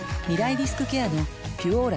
リスクケアの「ピュオーラ」